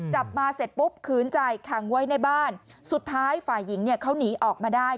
จับมาเสร็จปุ๊บขืนใจขังไว้ในบ้านสุดท้ายฝ่ายหญิงเนี่ยเขาหนีออกมาได้